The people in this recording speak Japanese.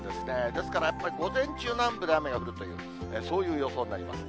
ですからやっぱり午前中、南部で雨が降るという、そういう予想になります。